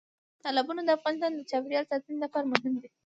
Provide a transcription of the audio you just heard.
تالابونه د افغانستان د چاپیریال ساتنې لپاره مهم دي.